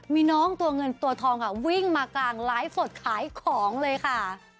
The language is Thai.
มีน้องเงินตัวทองวิ่งมากลางไลฟ์รายของเลยค่ะ